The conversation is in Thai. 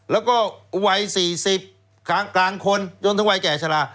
และวัย๔๐กลางคนยนต์ทั้งวัยแก่ชารา